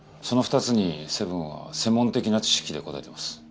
その２つにセブンは専門的な知識で答えています。